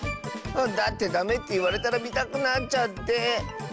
だってダメっていわれたらみたくなっちゃって。ね。